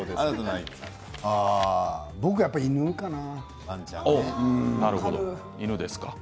僕はやっぱり犬かな。